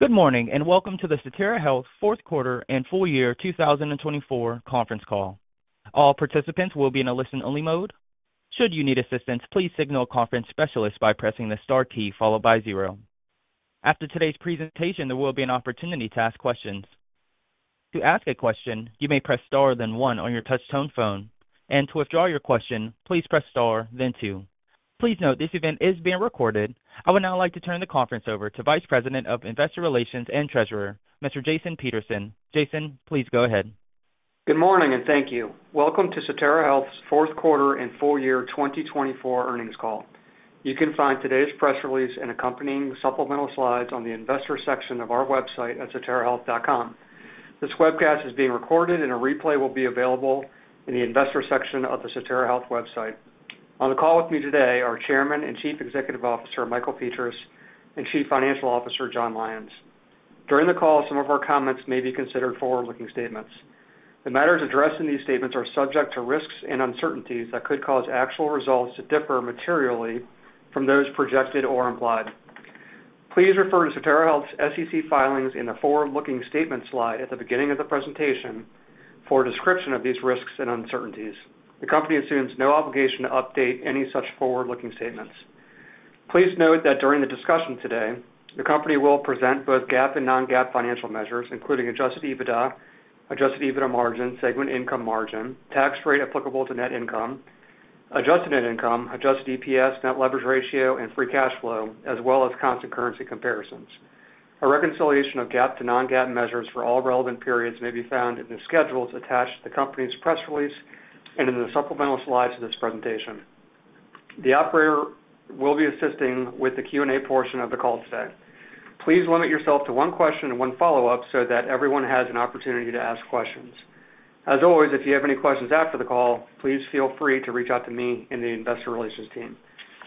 Good morning and welcome to the Sotera Health Q4 and Full Year 2024 Conference Call. All participants will be in a listen-only mode. Should you need assistance, please signal a conference specialist by pressing the star key followed by zero. After today's presentation, there will be an opportunity to ask questions. To ask a question, you may press star then one on your touch-tone phone, and to withdraw your question, please press star then two. Please note this event is being recorded. I would now like to turn the conference over to Vice President of Investor Relations and Treasurer, Mr. Jason Peterson. Jason, please go ahead. Good morning and thank you. Welcome to Sotera Health's Q4 and full year 2024 earnings call. You can find today's press release and accompanying supplemental slides on the investor section of our website at soterahealth.com. This webcast is being recorded and a replay will be available in the investor section of the Sotera Health website. On the call with me today are Chairman and Chief Executive Officer Michael Petras and Chief Financial Officer Jon Lyons. During the call, some of our comments may be considered forward-looking statements. The matters addressed in these statements are subject to risks and uncertainties that could cause actual results to differ materially from those projected or implied. Please refer to Sotera Health's SEC filings in the forward-looking statements slide at the beginning of the presentation for a description of these risks and uncertainties. The company assumes no obligation to update any such forward-looking statements. Please note that during the discussion today, the company will present both GAAP and non-GAAP financial measures, including adjusted EBITDA, adjusted EBITDA margin, segment income margin, tax rate applicable to net income, adjusted net income, adjusted EPS, net leverage ratio, and free cash flow, as well as constant currency comparisons. A reconciliation of GAAP to non-GAAP measures for all relevant periods may be found in the schedules attached to the company's press release and in the supplemental slides of this presentation. The operator will be assisting with the Q&A portion of the call today. Please limit yourself to one question and one follow-up so that everyone has an opportunity to ask questions. As always, if you have any questions after the call, please feel free to reach out to me and the investor relations team.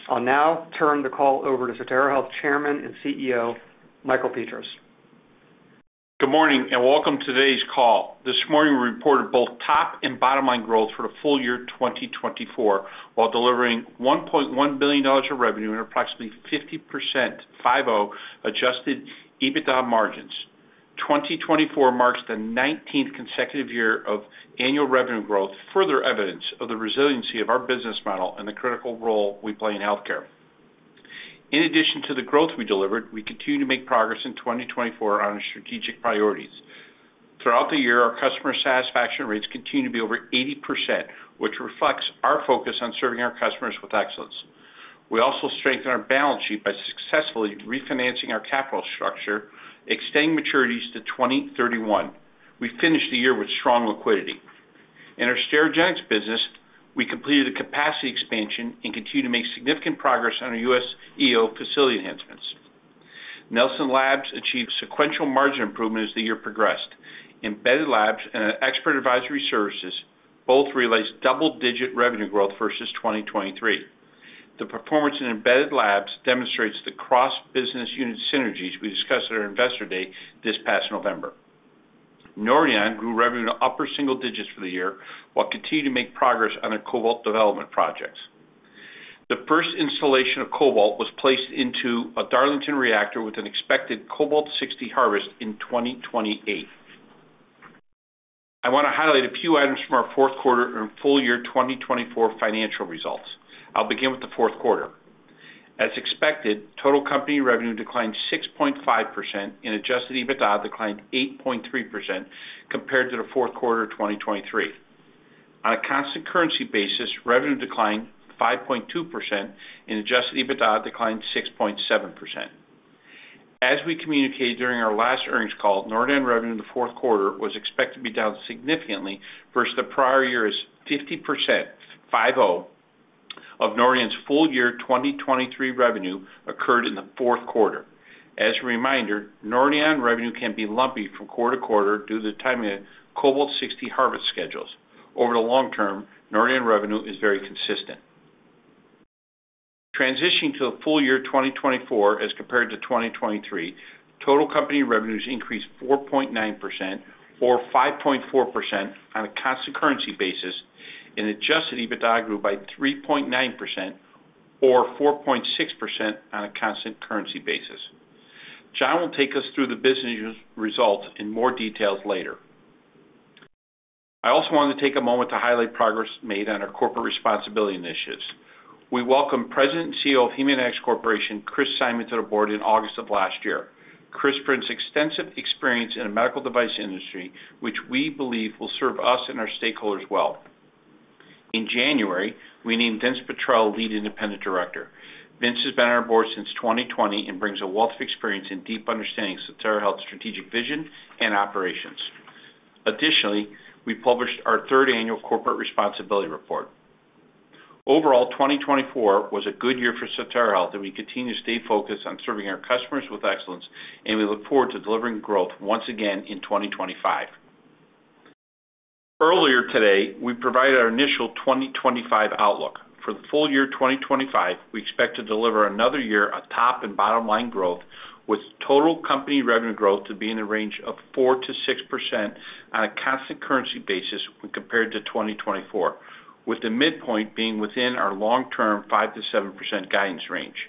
I'll now turn the call over to Sotera Health Chairman and CEO Michael Petras. Good morning and welcome to today's call. This morning, we reported both top and bottom-line growth for the full year 2024 while delivering $1.1 billion of revenue and approximately 50% Adjusted EBITDA margins. 2024 marks the 19th consecutive year of annual revenue growth, further evidence of the resiliency of our business model and the critical role we play in healthcare. In addition to the growth we delivered, we continue to make progress in 2024 on our strategic priorities. Throughout the year, our customer satisfaction rates continue to be over 80%, which reflects our focus on serving our customers with excellence. We also strengthened our balance sheet by successfully refinancing our capital structure, extending maturities to 2031. We finished the year with strong liquidity. In our Sterigenics business, we completed a capacity expansion and continue to make significant progress on our U.S. EO facility enhancements. Nelson Labs achieved sequential margin improvement as the year progressed. Embedded Labs and our expert advisory services both realized double-digit revenue growth versus 2023. The performance in embedded labs demonstrates the cross-business unit synergies we discussed at our investor day this past November. Nordion grew revenue to upper single digits for the year while continuing to make progress on their cobalt development projects. The first installation of cobalt was placed into a Darlington reactor with an expected cobalt-60 harvest in 2028. I want to highlight a few items from our Q4 and full year 2024 financial results. I'll begin with the Q4. As expected, total company revenue declined 6.5% and Adjusted EBITDA declined 8.3% compared to the Q4 of 2023. On a constant currency basis, revenue declined 5.2% and Adjusted EBITDA declined 6.7%. As we communicated during our last earnings call, Nordion revenue in the Q4 was expected to be down significantly versus the prior year. 50% of Nordion's full year 2023 revenue occurred in the Q4. As a reminder, Nordion revenue can be lumpy from quarter to quarter due to the timing of Cobalt-60 harvest schedules. Over the long term, Nordion revenue is very consistent. Transitioning to the full year 2024 as compared to 2023, total company revenues increased 4.9% or 5.4% on a constant currency basis, and Adjusted EBITDA grew by 3.9% or 4.6% on a constant currency basis. Jon will take us through the business results in more details later. I also wanted to take a moment to highlight progress made on our corporate responsibility initiatives. We welcomed President and CEO of Haemonetics Corporation, Chris Simon, to the board in August of last year. Chris brings extensive experience in the medical device industry, which we believe will serve us and our stakeholders well. In January, we named Vince Petrella lead independent director. Vince has been on our board since 2020 and brings a wealth of experience and deep understanding of Sotera Health's strategic vision and operations. Additionally, we published our third annual corporate responsibility report. Overall, 2024 was a good year for Sotera Health, and we continue to stay focused on serving our customers with excellence, and we look forward to delivering growth once again in 2025. Earlier today, we provided our initial 2025 outlook. For the full year 2025, we expect to deliver another year of top and bottom-line growth, with total company revenue growth to be in the range of 4%-6% on a constant currency basis when compared to 2024, with the midpoint being within our long-term 5%-7% guidance range.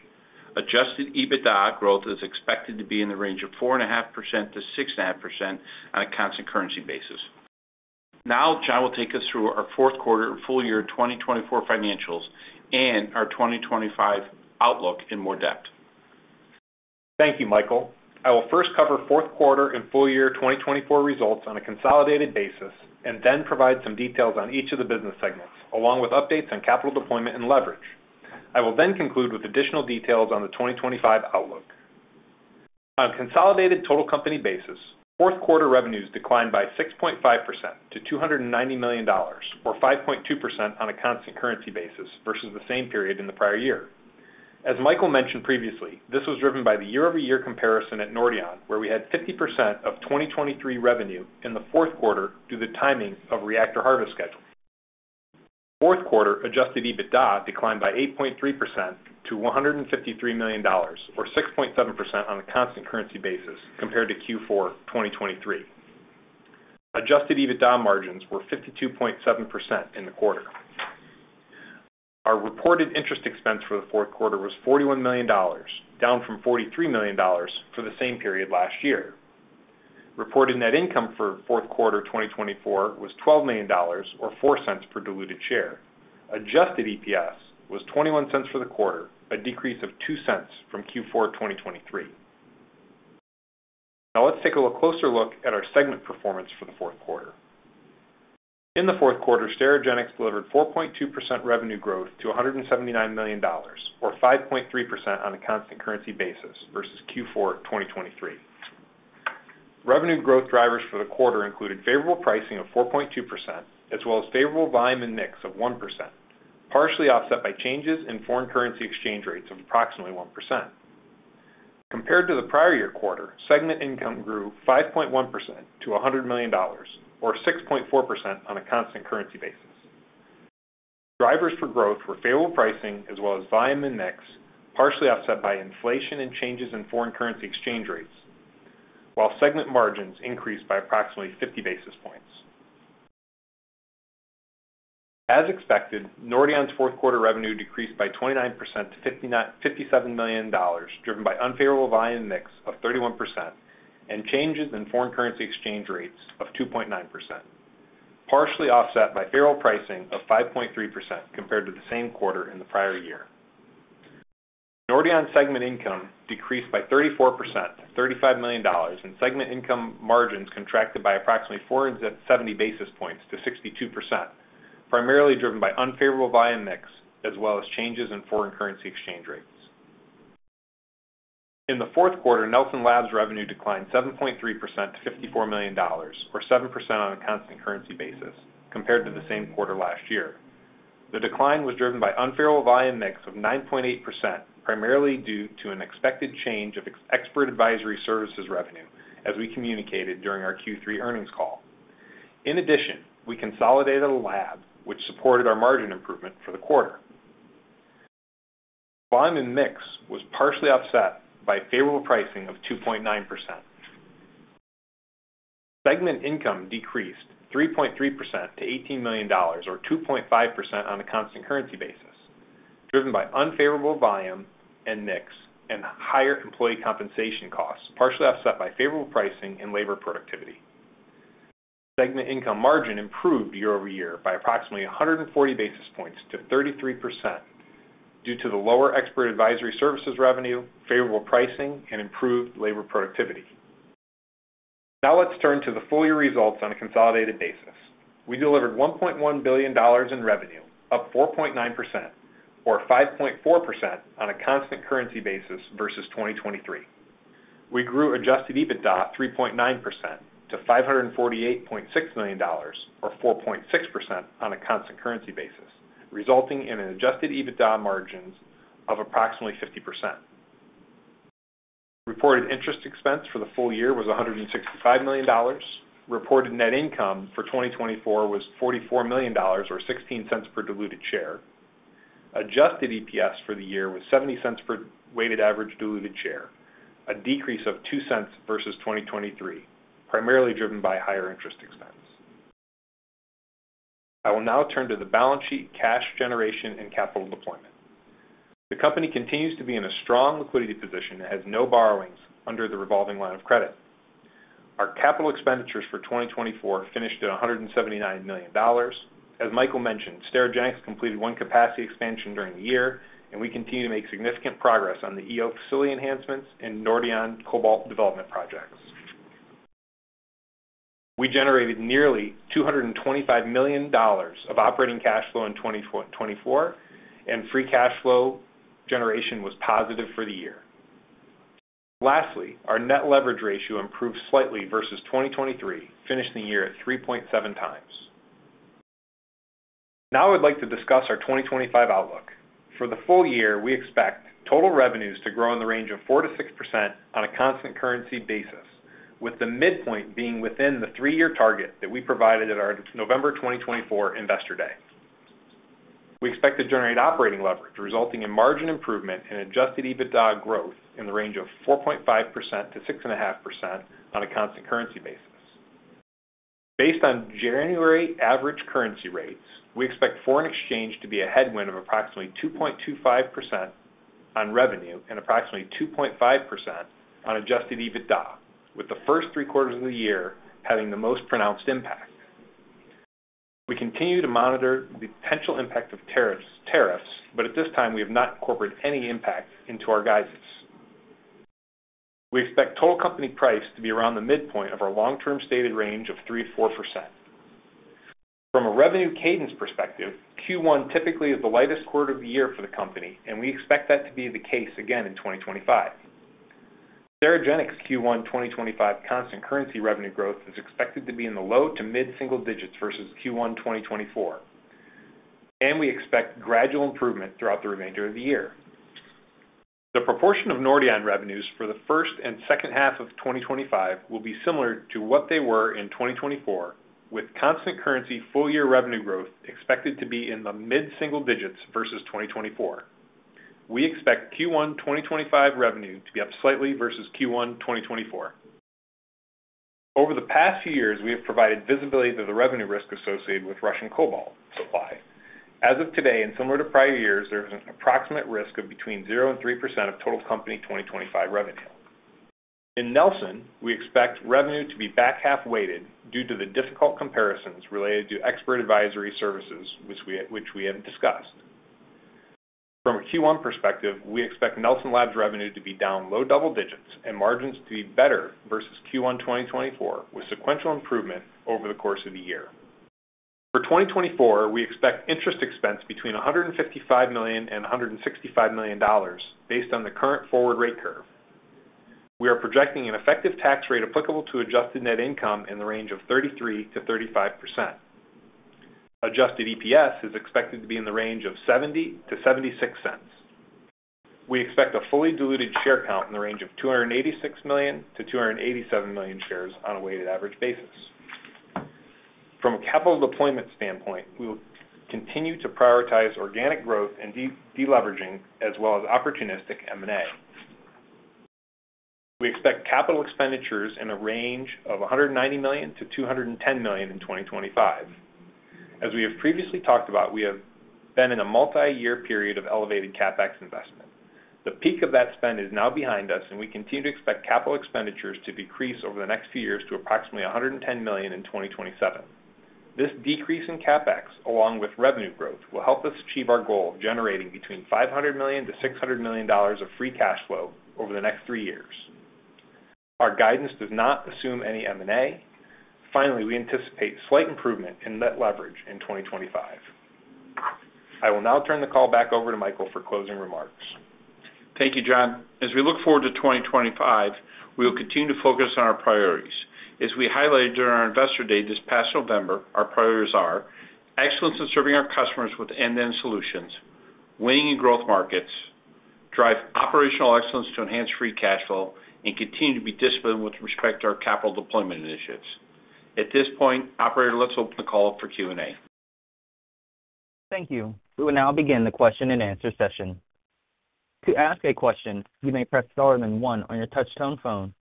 Adjusted EBITDA growth is expected to be in the range of 4.5%-6.5% on a constant currency basis. Now, Jon will take us through our Q4 and full year 2024 financials and our 2025 outlook in more depth. Thank you, Michael. I will first cover Q4 and full year 2024 results on a consolidated basis and then provide some details on each of the business segments, along with updates on capital deployment and leverage. I will then conclude with additional details on the 2025 outlook. On a consolidated total company basis, Q4 revenues declined by 6.5% to $290 million, or 5.2% on a constant currency basis versus the same period in the prior year. As Michael mentioned previously, this was driven by the year-over-year comparison at Nordion, where we had 50% of 2023 revenue in the Q4 due to the timing of reactor harvest schedules. Q4 Adjusted EBITDA declined by 8.3% to $153 million, or 6.7% on a constant currency basis compared to Q4 2023. Adjusted EBITDA margins were 52.7% in the quarter. Our reported interest expense for the Q4 was $41 million, down from $43 million for the same period last year. Reported net income for Q4 2024 was $12 million, or $0.04 per diluted share. Adjusted EPS was $0.21 for the quarter, a decrease of $0.02 from Q4 2023. Now, let's take a closer look at our segment performance for the Q4. In the Q4, Sterigenics delivered 4.2% revenue growth to $179 million, or 5.3% on a constant currency basis versus Q4 2023. Revenue growth drivers for the quarter included favorable pricing of 4.2%, as well as favorable volume and mix of 1%, partially offset by changes in foreign currency exchange rates of approximately 1%. Compared to the prior year quarter, segment income grew 5.1% to $100 million, or 6.4% on a constant currency basis. Drivers for growth were favorable pricing, as well as volume and mix, partially offset by inflation and changes in foreign currency exchange rates, while segment margins increased by approximately 50 basis points. As expected, Nordion's Q4 revenue decreased by 29% to $57 million, driven by unfavorable volume and mix of 31% and changes in foreign currency exchange rates of 2.9%, partially offset by favorable pricing of 5.3% compared to the same quarter in the prior year. Nordion's segment income decreased by 34% to $35 million, and segment income margins contracted by approximately 470 basis points to 62%, primarily driven by unfavorable volume and mix, as well as changes in foreign currency exchange rates. In the Q4, Nelson Labs' revenue declined 7.3% to $54 million, or 7% on a constant currency basis compared to the same quarter last year. The decline was driven by unfavorable volume and mix of 9.8%, primarily due to an expected change of expert advisory services revenue, as we communicated during our Q3 earnings call. In addition, we consolidated a lab, which supported our margin improvement for the quarter. Volume and mix was partially offset by favorable pricing of 2.9%. Segment income decreased 3.3% to $18 million, or 2.5% on a constant currency basis, driven by unfavorable volume and mix and higher employee compensation costs, partially offset by favorable pricing and labor productivity. Segment income margin improved year-over-year by approximately 140 basis points to 33% due to the lower expert advisory services revenue, favorable pricing, and improved labor productivity. Now, let's turn to the full year results on a consolidated basis. We delivered $1.1 billion in revenue, up 4.9%, or 5.4% on a constant currency basis versus 2023. We grew adjusted EBITDA 3.9% to $548.6 million, or 4.6% on a constant currency basis, resulting in an adjusted EBITDA margin of approximately 50%. Reported interest expense for the full year was $165 million. Reported net income for 2024 was $44 million, or $0.16 per diluted share. Adjusted EPS for the year was $0.70 per weighted average diluted share, a decrease of $0.02 versus 2023, primarily driven by higher interest expense. I will now turn to the balance sheet, cash generation, and capital deployment. The company continues to be in a strong liquidity position and has no borrowings under the revolving line of credit. Our capital expenditures for 2024 finished at $179 million. As Michael mentioned, Sterigenics completed one capacity expansion during the year, and we continue to make significant progress on the EO facility enhancements and Nordion cobalt development projects. We generated nearly $225 million of operating cash flow in 2024, and free cash flow generation was positive for the year. Lastly, our net leverage ratio improved slightly versus 2023, finishing the year at 3.7 times. Now, I would like to discuss our 2025 outlook. For the full year, we expect total revenues to grow in the range of 4%-6% on a constant currency basis, with the midpoint being within the three-year target that we provided at our November 2024 investor day. We expect to generate operating leverage, resulting in margin improvement and Adjusted EBITDA growth in the range of 4.5%-6.5% on a constant currency basis. Based on January average currency rates, we expect foreign exchange to be a headwind of approximately 2.25% on revenue and approximately 2.5% on Adjusted EBITDA, with the first three quarters of the year having the most pronounced impact. We continue to monitor the potential impact of tariffs, but at this time, we have not incorporated any impact into our guidance. We expect total company revenue to be around the midpoint of our long-term stated range of 3%-4%. From a revenue cadence perspective, Q1 typically is the lightest quarter of the year for the company, and we expect that to be the case again in 2025. Sterigenics' Q1 2025 constant currency revenue growth is expected to be in the low to mid-single digits versus Q1 2024, and we expect gradual improvement throughout the remainder of the year. The proportion of Nordion revenues for the first and second half of 2025 will be similar to what they were in 2024, with constant currency full year revenue growth expected to be in the mid-single digits versus 2024. We expect Q1 2025 revenue to be up slightly versus Q1 2024. Over the past few years, we have provided visibility to the revenue risk associated with Russian cobalt supply. As of today, and similar to prior years, there is an approximate risk of between 0% and 3% of total company 2025 revenue. In Nelson, we expect revenue to be back half-weighted due to the difficult comparisons related to expert advisory services, which we have discussed. From a Q1 perspective, we expect Nelson Labs' revenue to be down low double digits and margins to be better versus Q1 2024, with sequential improvement over the course of the year. For 2024, we expect interest expense between $155 million and $165 million based on the current forward rate curve. We are projecting an effective tax rate applicable to adjusted net income in the range of 33%-35%. Adjusted EPS is expected to be in the range of $0.70-$0.76. We expect a fully diluted share count in the range of 286-287 million shares on a weighted average basis. From a capital deployment standpoint, we will continue to prioritize organic growth and deleveraging, as well as opportunistic M&A. We expect capital expenditures in a range of $190-$210 million in 2025. As we have previously talked about, we have been in a multi-year period of elevated CapEx investment. The peak of that spend is now behind us, and we continue to expect capital expenditures to decrease over the next few years to approximately $110 million in 2027. This decrease in CapEx, along with revenue growth, will help us achieve our goal of generating between $500-$600 million of free cash flow over the next three years. Our guidance does not assume any M&A. Finally, we anticipate slight improvement in net leverage in 2025. I will now turn the call back over to Michael for closing remarks. Thank you, Jon. As we look forward to 2025, we will continue to focus on our priorities. As we highlighted during our investor day this past November, our priorities are excellence in serving our customers with end-to-end solutions, winning in growth markets, drive operational excellence to enhance free cash flow, and continue to be disciplined with respect to our capital deployment initiatives. At this point, Operator, let's open the call up for Q&A. Thank you. We will now begin the question and answer session. To ask a question, you may press star and then one on your touch-tone phone.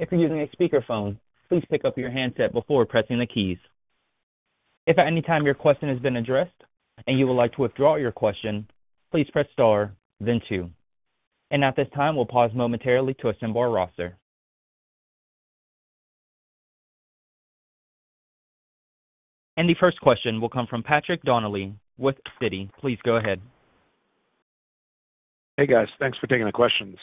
If you're using a speakerphone, please pick up your handset before pressing the keys. If at any time your question has been addressed and you would like to withdraw your question, please press star, then two. At this time, we'll pause momentarily to assemble our roster. The first question will come from Patrick Donnelly with Citi. Please go ahead. Hey, guys. Thanks for taking the questions.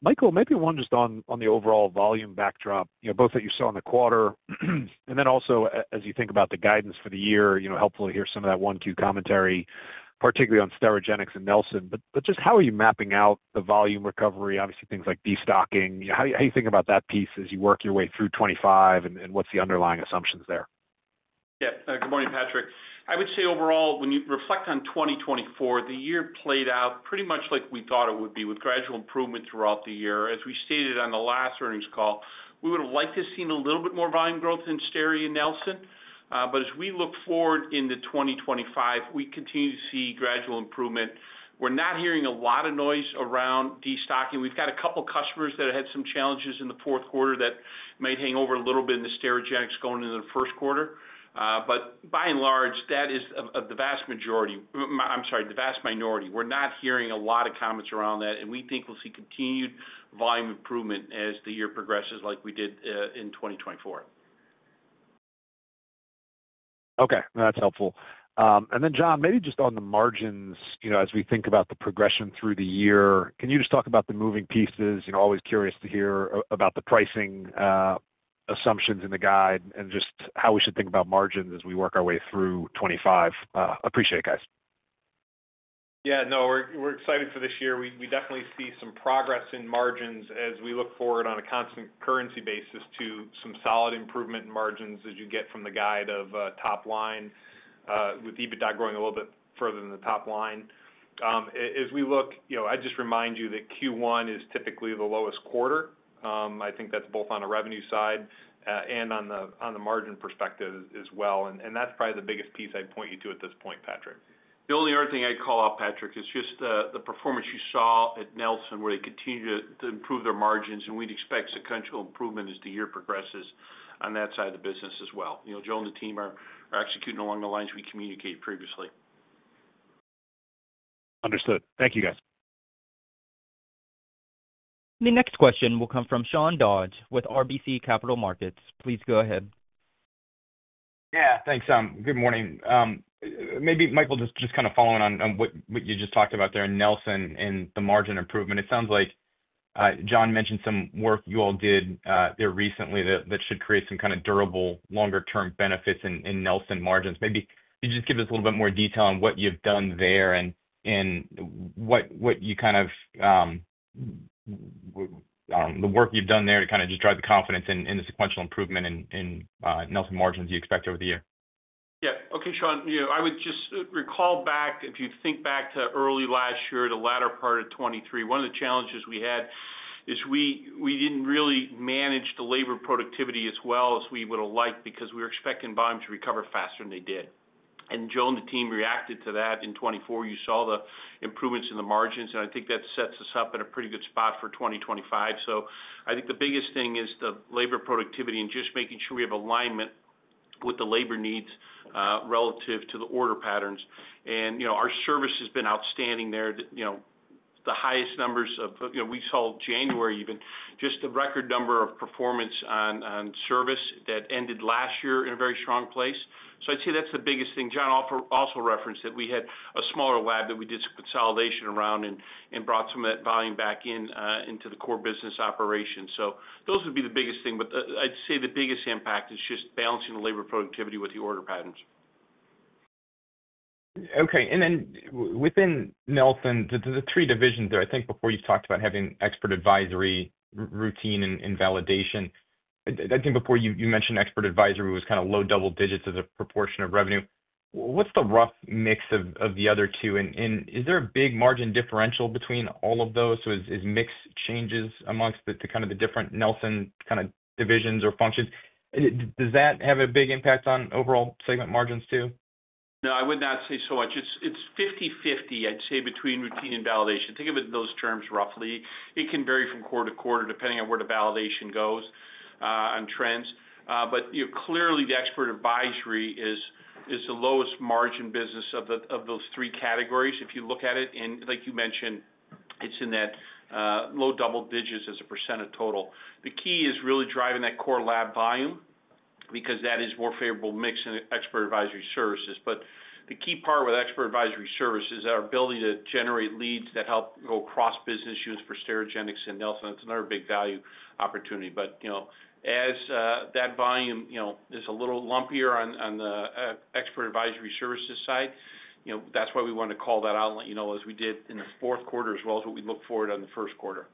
Michael, maybe one just on the overall volume backdrop, both that you saw in the quarter and then also as you think about the guidance for the year, helpful to hear some of that one-two commentary, particularly on Sterigenics and Nelson. But just how are you mapping out the volume recovery? Obviously, things like destocking. How do you think about that piece as you work your way through 2025, and what's the underlying assumptions there? Yeah. Good morning, Patrick. I would say overall, when you reflect on 2024, the year played out pretty much like we thought it would be, with gradual improvement throughout the year. As we stated on the last earnings call, we would have liked to have seen a little bit more volume growth in Sterigenics, Nelson. But as we look forward into 2025, we continue to see gradual improvement. We're not hearing a lot of noise around destocking. We've got a couple of customers that had some challenges in the Q4 that may hang over a little bit in the Sterigenics going into the Q1. But by and large, that is the vast majority. I'm sorry, the vast minority. We're not hearing a lot of comments around that, and we think we'll see continued volume improvement as the year progresses like we did in 2024. Okay. That's helpful. And then, Jon, maybe just on the margins, as we think about the progression through the year, can you just talk about the moving pieces? Always curious to hear about the pricing assumptions in the guide and just how we should think about margins as we work our way through 2025. Appreciate it, guys. Yeah. No, we're excited for this year. We definitely see some progress in margins as we look forward on a constant currency basis to some solid improvement in margins as you get from the guide of top line, with EBITDA growing a little bit further than the top line. As we look, I just remind you that Q1 is typically the lowest quarter. I think that's both on a revenue side and on the margin perspective as well. That's probably the biggest piece I'd point you to at this point, Patrick. The only other thing I'd call out, Patrick, is just the performance you saw at Nelson, where they continue to improve their margins, and we'd expect sequential improvement as the year progresses on that side of the business as well. Jon and the team are executing along the lines we communicated previously. Understood. Thank you, guys. The next question will come from Sean Dodge with RBC Capital Markets. Please go ahead. Yeah. Thanks, Jon. Good morning. Maybe Michael, just kind of following on what you just talked about there in Nelson and the margin improvement. It sounds like Jon mentioned some work you all did there recently that should create some kind of durable longer-term benefits in Nelson margins. Maybe you just give us a little bit more detail on what you've done there and what you kind of, I don't know, the work you've done there to kind of just drive the confidence in the sequential improvement in Nelson margins you expect over the year. Yeah. Okay, Sean. I would just recall back, if you think back to early last year, the latter part of 2023, one of the challenges we had is we didn't really manage the labor productivity as well as we would have liked because we were expecting volume to recover faster than they did, and Jon and the team reacted to that. In 2024, you saw the improvements in the margins, and I think that sets us up in a pretty good spot for 2025. So I think the biggest thing is the labor productivity and just making sure we have alignment with the labor needs relative to the order patterns. And our service has been outstanding there. The highest numbers that we saw in January, even just a record number of performance on service that ended last year in a very strong place. So I'd say that's the biggest thing. Jon also referenced that we had a smaller lab that we did some consolidation around and brought some of that volume back into the core business operation. So those would be the biggest thing. But I'd say the biggest impact is just balancing the labor productivity with the order patterns. Okay. And then within Nelson, the three divisions there, I think before you talked about having expert advisory, routine, and validation. I think before you mentioned expert advisory was kind of low double digits as a proportion of revenue. What's the rough mix of the other two? And is there a big margin differential between all of those? So as mix changes amongst the kind of the different Nelson kind of divisions or functions, does that have a big impact on overall segment margins too? No, I would not say so much. It's 50/50, I'd say, between routine and validation. Think of it in those terms roughly. It can vary from quarter to quarter depending on where the validation goes on trends. But clearly, the expert advisory is the lowest margin business of those three categories if you look at it. Like you mentioned, it's in that low double digits% of total. The key is really driving that core lab volume because that is more favorable mix in expert advisory services. But the key part with expert advisory services is our ability to generate leads that help go across business units for Sterigenics and Nelson. It's another big value opportunity. But as that volume is a little lumpier on the expert advisory services side, that's why we want to call that out and let you know as we did in the Q4 as well as what we look forward on the Q1.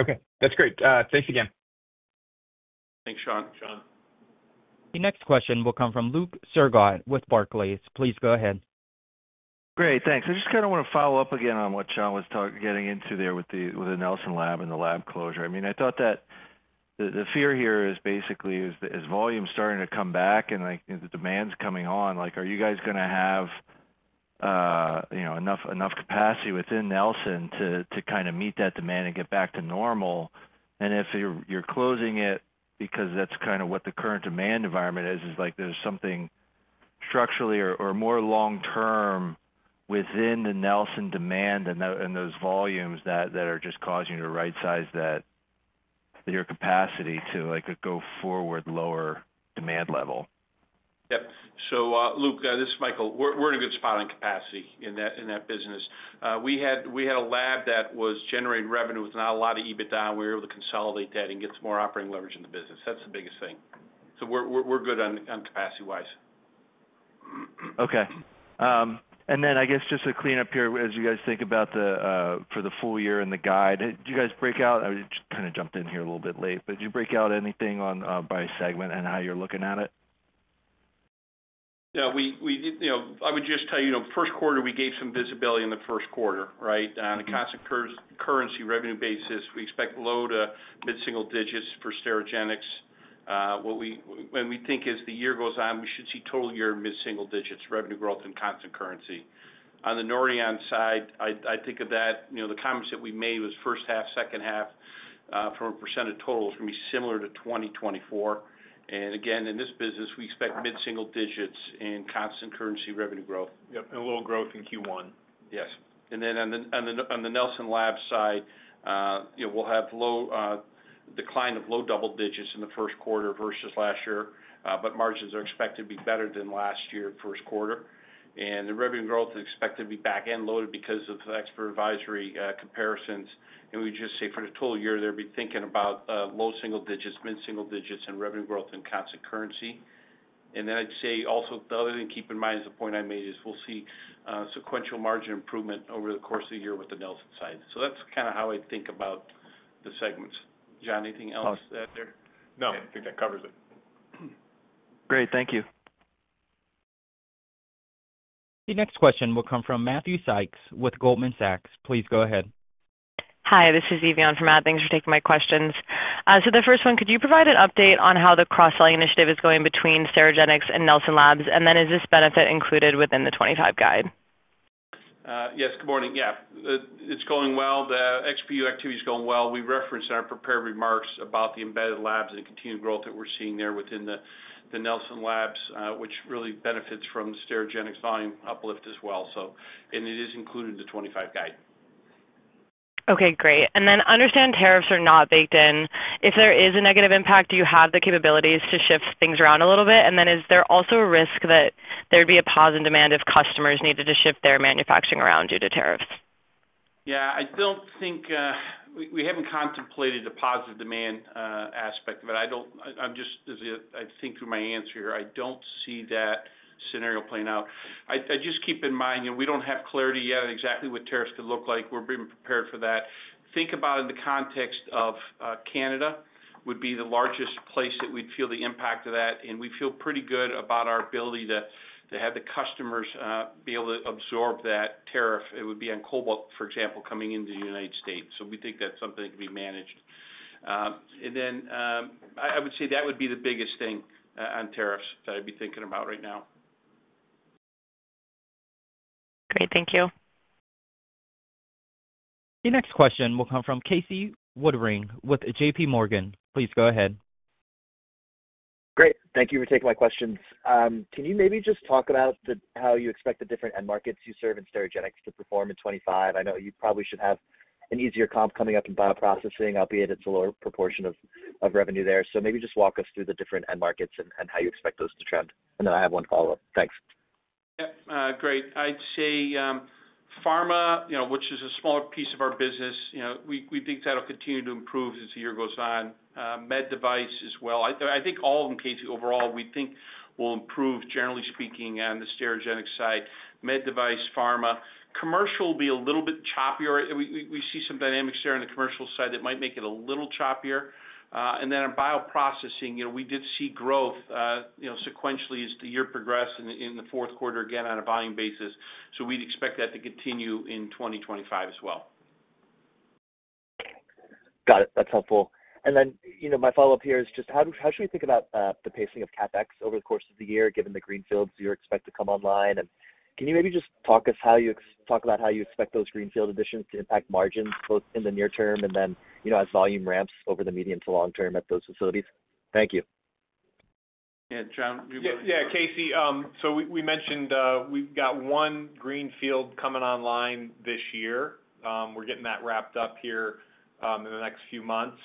Okay. That's great. Thanks again. Thanks, Sean. Sean. The next question will come from Luke Sergott with Barclays. Please go ahead. Great. Thanks. I just kind of want to follow up again on what Jon was getting into there with the Nelson Labs and the lab closure. I mean, I thought that the fear here is basically is volume starting to come back and the demand's coming on. Are you guys going to have enough capacity within Nelson Labs to kind of meet that demand and get back to normal? And if you're closing it because that's kind of what the current demand environment is, is there's something structurally or more long-term within the Nelson Labs demand and those volumes that are just causing you to right-size your capacity to go forward lower demand level? Yep. So Luke, this is Michael. We're in a good spot on capacity in that business. We had a lab that was generating revenue with not a lot of EBITDA. We were able to consolidate that and get some more operating leverage in the business. That's the biggest thing. So we're good on capacity-wise. Okay. And then I guess just to clean up here, as you guys think about for the full year and the guide, did you guys break out? I just kind of jumped in here a little bit late, but did you guys break out anything by segment and how you're looking at it? Yeah. I would just tell you Q1, we gave some visibility in the Q1, right? On a constant currency revenue basis, we expect low- to mid-single digits for Sterigenics. And we think as the year goes on, we should see total year mid-single digits revenue growth in constant currency. On the Nordion side, I think of that the comments that we made was first half, second half from a percent of total is going to be similar to 2024. And again, in this business, we expect mid-single digits in constant currency revenue growth. Yep. And low growth in Q1. Yes. And then on the Nelson Labs side, we'll have decline of low double digits in the Q1 versus last year, but margins are expected to be better than last year Q1. And the revenue growth is expected to be back-end loaded because of expert advisory comparisons. And we just say for the total year there, we're thinking about low single digits, mid-single digits, and revenue growth in constant currency. And then I'd say also the other thing to keep in mind is the point I made is we'll see sequential margin improvement over the course of the year with the Nelson side. So that's kind of how I think about the segments. Jon, anything else to add there? No. I think that covers it. Great. Thank you. The next question will come from Matthew Sykes with Goldman Sachs. Please go ahead. Hi. This is Evie from Matt. Thanks for taking my questions. So the first one, could you provide an update on how the cross-selling initiative is going between Sterigenics and Nelson Labs? And then is this benefit included within the 2025 guide? Yes. Good morning. Yeah. It's going well. The XU activity is going well. We referenced in our prepared remarks about the Embedded Labs and continued growth that we're seeing there within the Nelson Labs, which really benefits from the Sterigenics volume uplift as well, and it is included in the 2025 guide. Okay. Great. And then understand tariffs are not baked in. If there is a negative impact, do you have the capabilities to shift things around a little bit? And then is there also a risk that there would be a pause in demand if customers needed to shift their manufacturing around due to tariffs? Yeah. I don't think we haven't contemplated the positive demand aspect of it. I'm just, as I think through my answer here, I don't see that scenario playing out. I just keep in mind we don't have clarity yet on exactly what tariffs could look like. We're being prepared for that. Think about it in the context of Canada would be the largest place that we'd feel the impact of that. And we feel pretty good about our ability to have the customers be able to absorb that tariff. It would be on cobalt, for example, coming into the United States. So we think that's something that could be managed. And then I would say that would be the biggest thing on tariffs that I'd be thinking about right now. Great. Thank you. The next question will come from Casey Woodring with J.P. Morgan. Please go ahead. Great. Thank you for taking my questions. Can you maybe just talk about how you expect the different end markets you serve in Sterigenics to perform in 2025? I know you probably should have an easier comp coming up in bioprocessing, albeit it's a lower proportion of revenue there. So maybe just walk us through the different end markets and how you expect those to trend. And then I have one follow-up. Thanks. Yep. Great. I'd say pharma, which is a smaller piece of our business, we think that'll continue to improve as the year goes on. Med device as well. I think all in all overall we think will improve, generally speaking, on the Sterigenics side. Med device, pharma. Commercial will be a little bit choppier. We see some dynamics there on the commercial side that might make it a little choppier. And then on bioprocessing, we did see growth sequentially as the year progressed in the Q4 again on a volume basis. So we'd expect that to continue in 2025 as well. Got it. That's helpful. And then my follow-up here is just how should we think about the pacing of CapEx over the course of the year given the greenfields you expect to come online? And can you maybe just talk about how you expect those greenfield additions to impact margins both in the near term and then as volume ramps over the medium to long term at those facilities? Thank you. And Jon, you go ahead. Yeah. Casey, so we mentioned we've got one greenfield coming online this year. We're getting that wrapped up here in the next few months.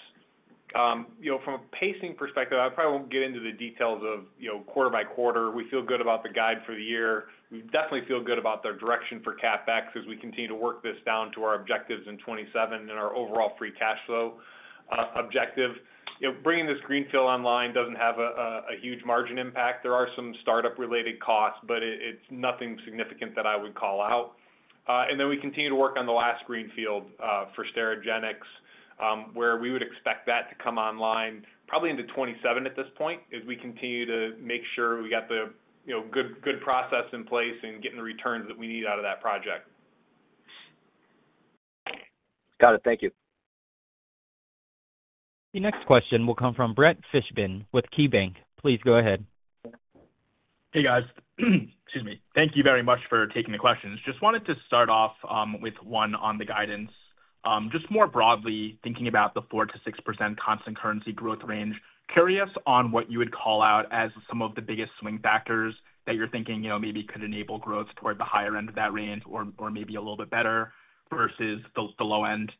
From a pacing perspective, I probably won't get into the details of quarter by quarter. We feel good about the guide for the year. We definitely feel good about the direction for CapEx as we continue to work this down to our objectives in 2027 and our overall free cash flow objective. Bringing this greenfield online doesn't have a huge margin impact. There are some startup-related costs, but it's nothing significant that I would call out. And then we continue to work on the last greenfield for Sterigenics, where we would expect that to come online probably into 2027 at this point as we continue to make sure we got the good process in place and getting the returns that we need out of that project. Got it. Thank you. The next question will come from Brett Fishbin with KeyBanc. Please go ahead. Hey, guys. Excuse me. Thank you very much for taking the questions. Just wanted to start off with one on the guidance. Just more broadly, thinking about the 4%-6% constant currency growth range, curious on what you would call out as some of the biggest swing factors that you're thinking maybe could enable growth toward the higher end of that range or maybe a little bit better versus the low end.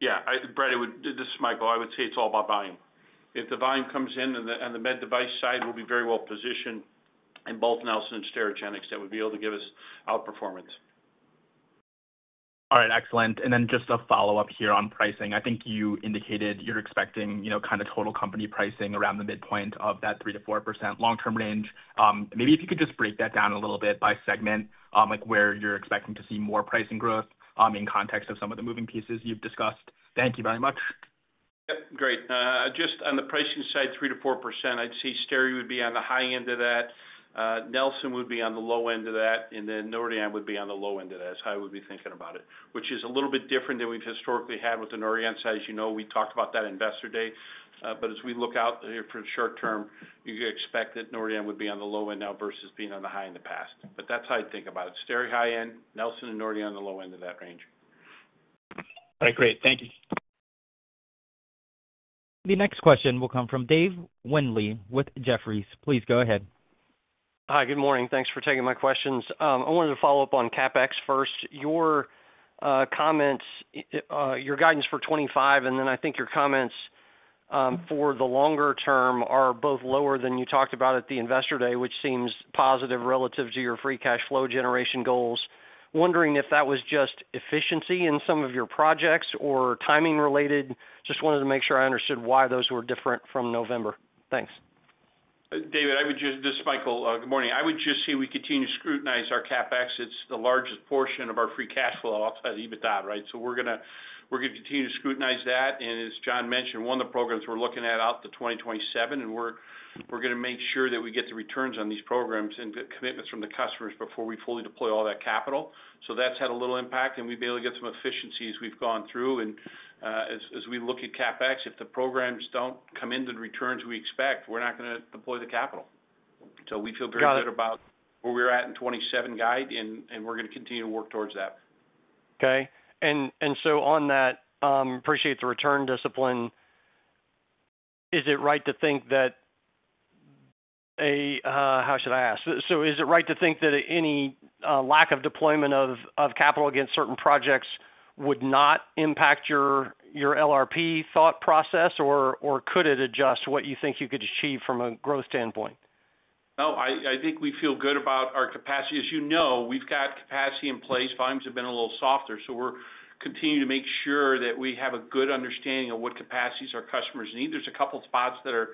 Yeah. Brett, this is Michael. I would say it's all about volume. If the volume comes in and the med device side will be very well positioned in both Nelson and Sterigenics, that would be able to give us outperformance. All right. Excellent. And then just a follow-up here on pricing. I think you indicated you're expecting kind of total company pricing around the midpoint of that 3%-4% long-term range. Maybe if you could just break that down a little bit by segment, where you're expecting to see more pricing growth in context of some of the moving pieces you've discussed. Thank you very much. Yep. Great. Just on the pricing side, 3%-4%, I'd say Steri would be on the high end of that. Nelson would be on the low end of that. And then Nordion would be on the low end of that. That's how I would be thinking about it, which is a little bit different than we've historically had with the Nordion side. As you know, we talked about that investor day. But as we look out here for the short term, you expect that Nordion would be on the low end now versus being on the high in the past. But that's how I'd think about it. Sterigenics high end, Nelson and Nordion on the low end of that range. All right. Great. Thank you. The next question will come from Dave Windley with Jefferies. Please go ahead. Hi. Good morning. Thanks for taking my questions. I wanted to follow up on CapEx first. Your guidance for 2025 and then I think your comments for the longer term are both lower than you talked about at the investor day, which seems positive relative to your free cash flow generation goals. Wondering if that was just efficiency in some of your projects or timing related. Just wanted to make sure I understood why those were different from November. Thanks. David, this is Michael. Good morning. I would just say we continue to scrutinize our CapEx. It's the largest portion of our free cash flow outside of EBITDA, right? So we're going to continue to scrutinize that. As Jon mentioned, one of the programs we're looking at out to 2027, and we're going to make sure that we get the returns on these programs and commitments from the customers before we fully deploy all that capital. So that's had a little impact. We've been able to get some efficiencies we've gone through. As we look at CapEx, if the programs don't come into the returns we expect, we're not going to deploy the capital. So we feel very good about where we're at in 2027 guide, and we're going to continue to work towards that. Okay. On that, appreciate the return discipline. Is it right to think that a how should I ask? So is it right to think that any lack of deployment of capital against certain projects would not impact your LRP thought process, or could it adjust what you think you could achieve from a growth standpoint? No. I think we feel good about our capacity. As you know, we've got capacity in place. Volumes have been a little softer. So we're continuing to make sure that we have a good understanding of what capacities our customers need. There's a couple of spots that are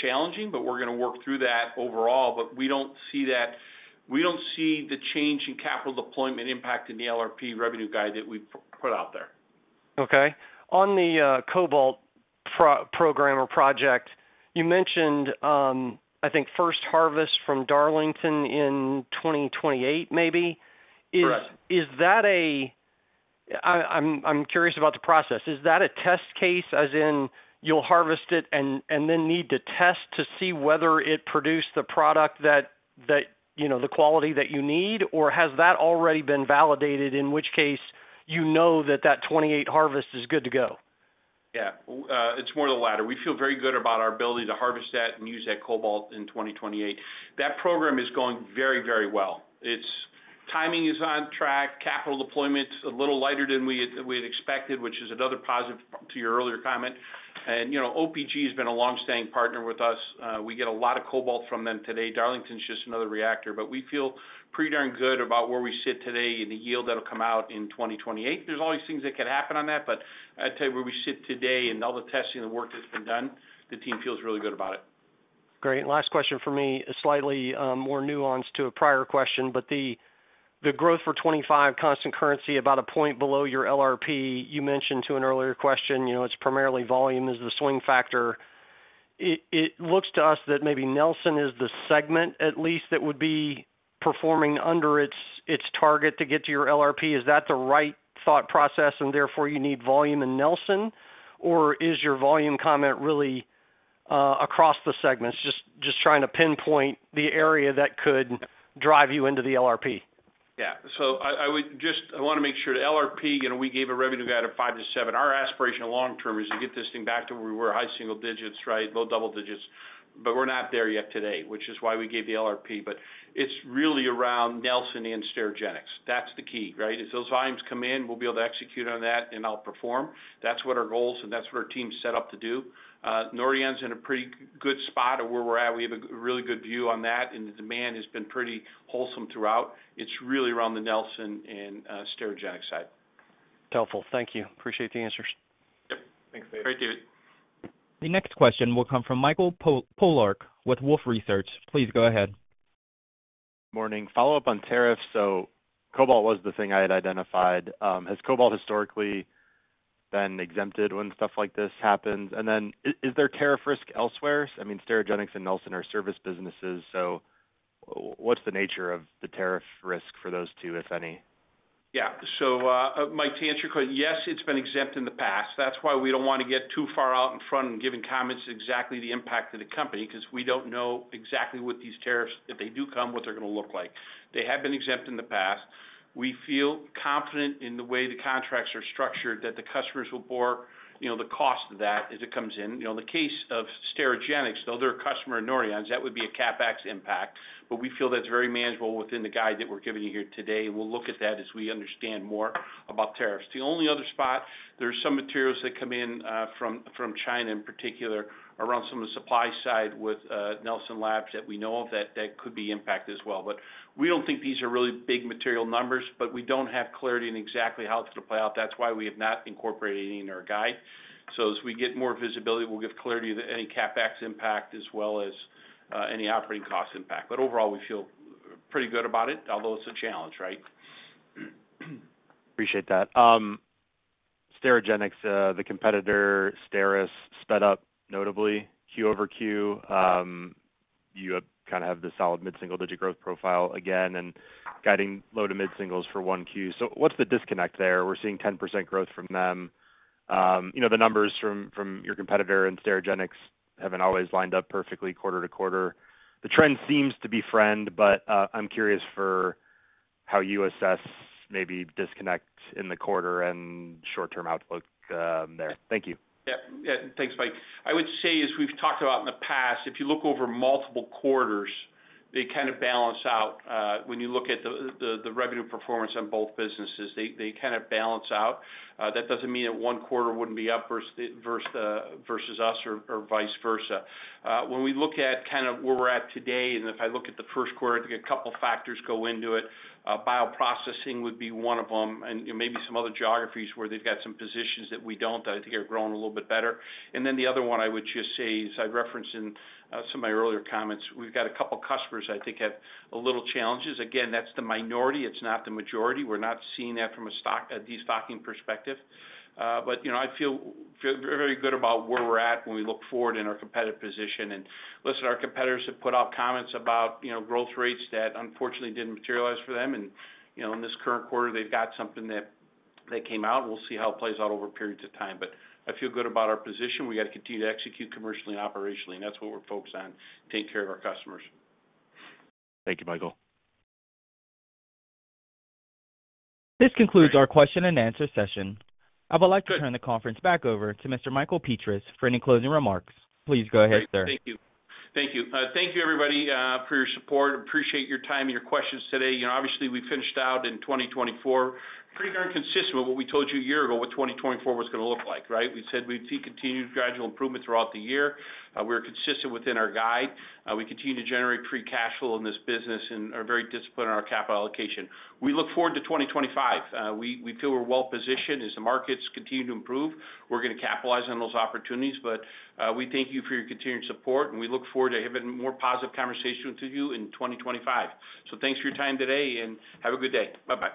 challenging, but we're going to work through that overall. But we don't see the change in capital deployment impacting the LRP revenue guide that we put out there. Okay. On the cobalt program or project, you mentioned, I think, first harvest from Darlington in 2028 maybe. Is that? I'm curious about the process. Is that a test case as in you'll harvest it and then need to test to see whether it produced the product, the quality that you need, or has that already been validated, in which case you know that that 2028 harvest is good to go? Yeah. It's more the latter. We feel very good about our ability to harvest that and use that cobalt in 2028. That program is going very, very well. Timing is on track. Capital deployment is a little lighter than we had expected, which is another positive to your earlier comment. And OPG has been a long-standing partner with us. We get a lot of cobalt from them today. Darlington's just another reactor. But we feel pretty darn good about where we sit today and the yield that'll come out in 2028. There's all these things that could happen on that. But I'd tell you where we sit today and all the testing and the work that's been done, the team feels really good about it. Great. Last question for me, slightly more nuanced to a prior question. But the growth for 2025 constant currency, about a point below your LRP, you mentioned to an earlier question, it's primarily volume is the swing factor. It looks to us that maybe Nelson is the segment at least that would be performing under its target to get to your LRP. Is that the right thought process and therefore you need volume in Nelson, or is your volume comment really across the segments, just trying to pinpoint the area that could drive you into the LRP? Yeah. So I want to make sure the LRP, we gave a revenue guide of five to seven. Our aspiration long term is to get this thing back to where we were, high single digits, right, low double digits. But we're not there yet today, which is why we gave the LRP. But it's really around Nelson and Sterigenics. That's the key, right? As those volumes come in, we'll be able to execute on that and outperform. That's what our goals and that's what our team's set up to do. Nordion's in a pretty good spot of where we're at. We have a really good view on that. And the demand has been pretty wholesome throughout. It's really around the Nelson and Sterigenics side. Helpful. Thank you. Appreciate the answers. Yep. Thanks, Dave. All right, David. The next question will come from Michael Polark with Wolfe Research. Please go ahead. Morning. Follow-up on tariffs. So cobalt was the thing I had identified. Has cobalt historically been exempted when stuff like this happens? And then is there tariff risk elsewhere? I mean, Sterigenics and Nelson are service businesses. So what's the nature of the tariff risk for those two, if any? Yeah. So Mike, to answer your question, yes, it's been exempt in the past. That's why we don't want to get too far out in front and giving comments exactly the impact to the company because we don't know exactly what these tariffs, if they do come, what they're going to look like. They have been exempt in the past. We feel confident in the way the contracts are structured that the customers will borrow the cost of that as it comes in. In the case of Sterigenics, though, they're a customer of Nordion's, that would be a CapEx impact. But we feel that's very manageable within the guide that we're giving you here today. And we'll look at that as we understand more about tariffs. The only other spot, there's some materials that come in from China in particular around some of the supply side with Nelson Labs that we know of that could be impacted as well. But we don't think these are really big material numbers, but we don't have clarity on exactly how it's going to play out. That's why we have not incorporated any in our guide. So as we get more visibility, we'll give clarity to any CapEx impact as well as any operating cost impact. But overall, we feel pretty good about it, although it's a challenge, right? Appreciate that. Sterigenics, the competitor STERIS sped up notably. Q over Q. You kind of have the solid mid-single digit growth profile again and guiding low to mid singles for 1Q. So what's the disconnect there? We're seeing 10% growth from them. The numbers from your competitor and Sterigenics haven't always lined up perfectly quarter to quarter. The trend seems to be fine, but I'm curious for how you assess maybe disconnect in the quarter and short-term outlook there. Thank you. Yeah. Yeah. Thanks, Mike. I would say, as we've talked about in the past, if you look over multiple quarters, they kind of balance out. When you look at the revenue performance on both businesses, they kind of balance out. That doesn't mean that one quarter wouldn't be up versus us or vice versa. When we look at kind of where we're at today, and if I look at the Q1, I think a couple of factors go into it. Bioprocessing would be one of them, and maybe some other geographies where they've got some positions that we don't that I think are growing a little bit better, and then the other one I would just say, as I referenced in some of my earlier comments, we've got a couple of customers I think have a little challenges. Again, that's the minority. It's not the majority. We're not seeing that from a destocking perspective, but I feel very good about where we're at when we look forward in our competitive position, and listen, our competitors have put out comments about growth rates that unfortunately didn't materialize for them, and in this current quarter, they've got something that came out. We'll see how it plays out over periods of time, but I feel good about our position. We got to continue to execute commercially and operationally, and that's what we're focused on, taking care of our customers. Thank you, Michael. This concludes our question and answer session. I would like to turn the conference back over to Mr. Michael Petras for any closing remarks. Please go ahead, sir. Thank you. Thank you. Thank you, everybody, for your support. Appreciate your time and your questions today. Obviously, we finished out in 2024 pretty darn consistent with what we told you a year ago what 2024 was going to look like, right? We said we'd see continued gradual improvement throughout the year. We're consistent within our guide. We continue to generate free cash flow in this business and are very disciplined in our capital allocation. We look forward to 2025. We feel we're well positioned as the markets continue to improve. We're going to capitalize on those opportunities. But we thank you for your continued support. And we look forward to having more positive conversations with you in 2025. So thanks for your time today and have a good day. Bye-bye.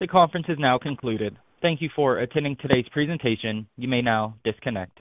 The conference is now concluded. Thank you for attending today's presentation. You may now disconnect.